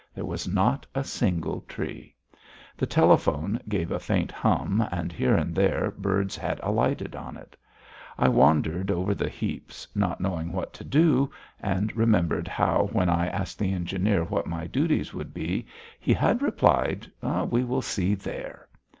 There was not a single tree. The telephone gave a faint hum, and here and there birds had alighted on it. I wandered over the heaps, not knowing what to do, and remembered how when I asked the engineer what my duties would be, he had replied: "We will see there."